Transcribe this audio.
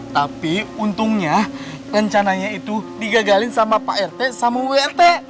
tapi untungnya rencananya itu digagalin sama pak rete sama wt